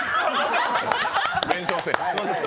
弁償せい。